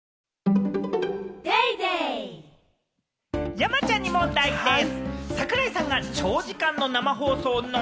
山ちゃんに問題です。